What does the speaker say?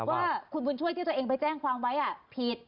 ว่าคุณบุญช่วยที่ตัวเองไปแจ้งความไว้ผิด